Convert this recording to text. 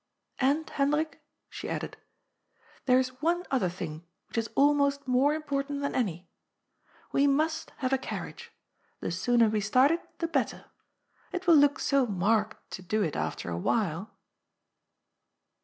" And, Hendrik," she added, " there is one other thing which is almost more important than any. We must have a carriage. The sooner we start it the better. It will look so marked to do it after a while."